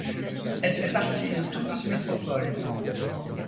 Elle fait partie de Toulouse Métropole.